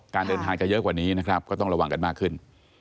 การเดินทางจะเยอะกว่านี้นะครับก็ต้องระวังกันมากขึ้น